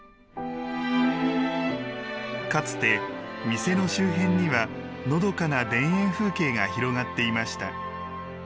かつて、店の周辺にはのどかな田園風景が広がっていました。